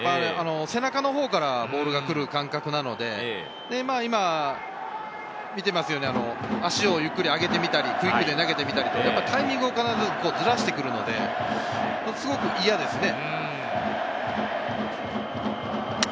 背中のほうからボールが来る感覚なので、今、見ていますように、足をゆっくり上げてみたり、クイックで投げたり、タイミングを必ずずらしてくるのですごく嫌ですね。